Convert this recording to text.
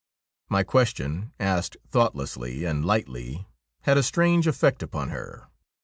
' My question, asked thoughtlessly and lightly, had a strange effect upon her.